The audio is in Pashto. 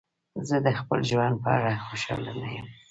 زه د خپل ژوند په اړه خوشحاله نه یم.